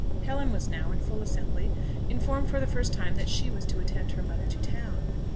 Helen was now, in full assembly, informed for the first time that she was to attend her mother to town.